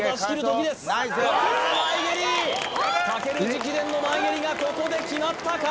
武尊直伝の前蹴りがここで決まったか？